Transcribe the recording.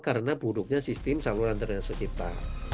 karena buruknya sistem saluran dry nasa kita